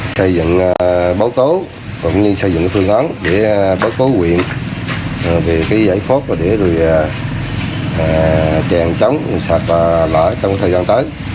xây dựng báo tố cũng như xây dựng phương án để báo tố huyện về cái giải phóng và để rồi trèn trống sạt lở trong thời gian tới